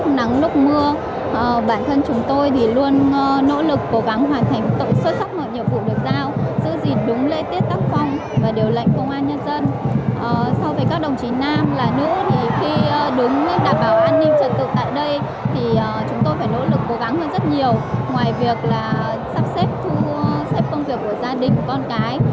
tại đây thì chúng tôi phải nỗ lực cố gắng hơn rất nhiều ngoài việc là sắp xếp thu xếp công việc của gia đình con cái